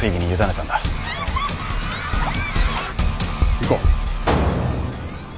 行こう。